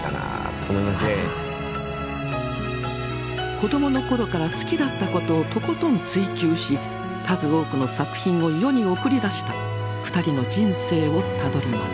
子どもの頃から好きだったことをとことん追求し数多くの作品を世に送り出した２人の人生をたどります。